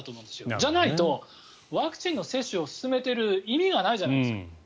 じゃないと、ワクチンの接種を進めている意味がないじゃないですか。